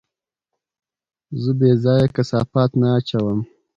زه بېځايه کثافات نه اچوم.